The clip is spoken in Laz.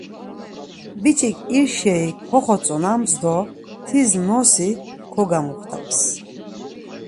Biç̌ik ir şei koxotzonams do tis nosi kogamuxtams.